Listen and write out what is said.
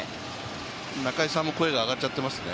中居さんも声が上がっちゃってますね。